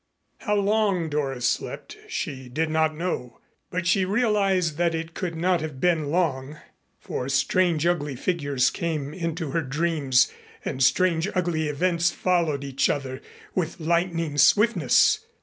How long Doris slept she did not know, but she realized that it could not have been long, for strange ugly figures came into her dreams and strange ugly events followed each other with lightning swiftness.